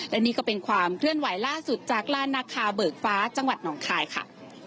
และนี่ก็เป็นความเคลื่อนไหวล่าสุดจากลานนาคาเบิกฟ้าจังหวัดหนองคายค่ะ